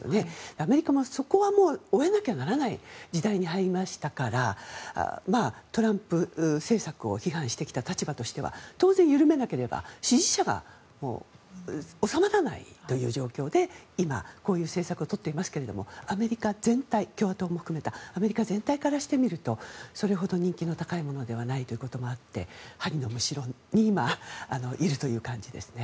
アメリカもそこは終えなきゃならない時代に入りましたからトランプ政策を批判してきた立場としては、当然緩めなければ支持者が収まらないという状況で今、こういう政策をとっていますけども共和党も含めたアメリカ全体からしてみるとそれほど人気の高いものではないということがあって針のむしろに今、いるという感じですね。